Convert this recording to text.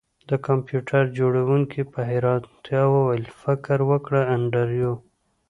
د کمپیوټر جوړونکي په حیرانتیا وویل فکر وکړه انډریو